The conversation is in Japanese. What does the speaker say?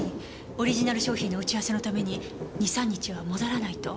オリジナル商品の打ち合わせのために２３日は戻らないと。